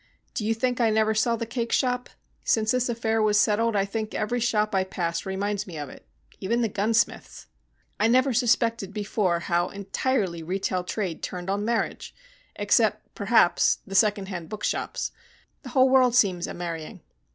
Do you think I never saw the cake shop? Since this affair was settled I think every shop I pass reminds me of it even the gunsmith's. I never suspected before how entirely retail trade turned on marriage except, perhaps, the second hand book shops. The whole world seems a marrying.